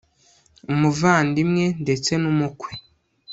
umuvandimwe, ndetse n'umukwe